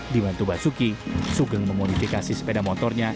dimantubah suki sugeng memodifikasi sepeda motornya